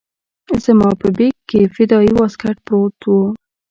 زما په بېګ کښې فدايي واسکټ پروت و.